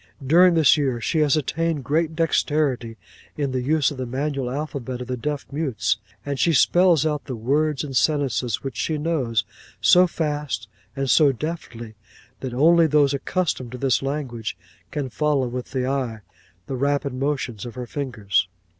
'"During the year she has attained great dexterity in the use of the manual alphabet of the deaf mutes; and she spells out the words and sentences which she knows, so fast and so deftly, that only those accustomed to this language can follow with the eye the rapid motions of her fingers.